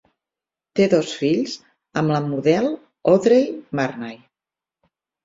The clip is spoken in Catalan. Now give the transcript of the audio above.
Té dos fills amb la model Audrey Marnay.